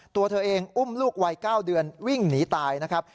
ตัวเธอเองอุ้มลูกวัย๙เดือนวิ่งหนีตายนะครับ